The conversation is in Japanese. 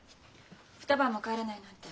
二晩も帰らないなんて